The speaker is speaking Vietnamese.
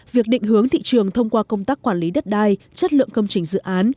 việc định hướng thị trường thông qua công tác quản lý đất đai chất lượng công trình dự án